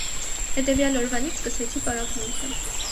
Հետևյալ օրվանից սկսեցի պարապմունքը: